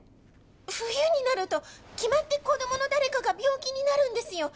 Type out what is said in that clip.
冬になると決まって子どもの誰かが病気になるんですよ。